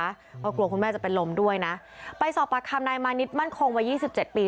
เพราะกลัวคุณแม่จะเป็นลมด้วยนะไปสอบปากคำนายมานิดมั่นคงวัยยี่สิบเจ็ดปี